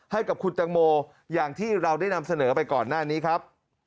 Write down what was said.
ให้กับคุณตังโมอย่างที่เราได้นำเสนอไปก่อนหน้านี้ครับ